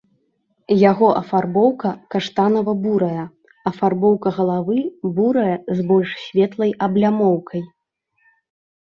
Яго афарбоўка каштанава-бурая, афарбоўка галавы бурая з больш светлай аблямоўкай.